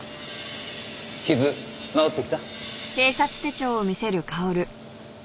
傷治ってきた？